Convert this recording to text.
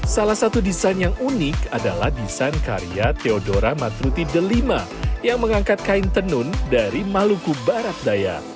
salah satu desain yang unik adalah desain karya theodora matruti delima yang mengangkat kain tenun dari maluku barat daya